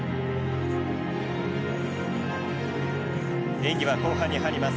演技は後半に入ります。